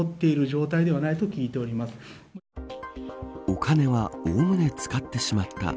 お金はおおむね使ってしまった。